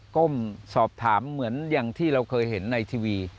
ก้มสอบถามเหมือนอย่างที่เราเคยเห็นในทีวี